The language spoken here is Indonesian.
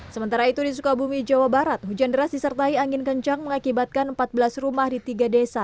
sementara itu di sukabumi jawa barat hujan deras disertai angin kencang mengakibatkan empat belas rumah di tiga desa